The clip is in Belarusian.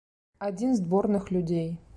Адзін з дворных людзей.